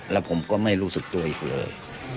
แล้วผมก็ไม่รู้สึกตัวอีกเลย